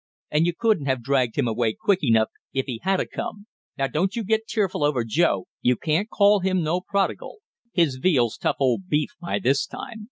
"And you couldn't have dragged him away quick enough if he had a come! Now don't you get tearful over Joe, you can't call him no prodigal; his veal's tough old beef by this time!